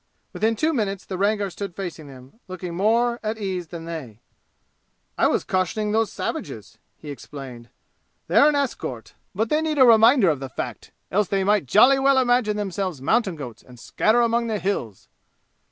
Within two minutes the Rangar stood facing them, looking more at ease than they. "I was cautioning those savages!" he explained. "They're an escort, but they need a reminder of the fact, else they might jolly well imagine themselves mountain goats and scatter among the 'Hills'!"